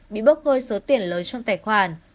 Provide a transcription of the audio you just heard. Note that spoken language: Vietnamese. bị bốc hôi số tiền lớn trong tài khoản